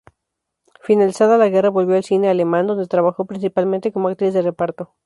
Finalizada la guerra volvió al cine alemán, donde trabajó principalmente como actriz de reparto.